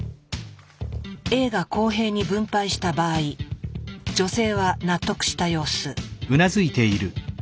Ａが公平に分配した場合女性は納得した様子。